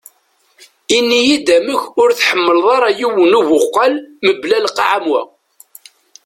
Ini-yi-d amek ur tḥemleḍ ara yiwen ubuqal mebla lqaɛ am wa.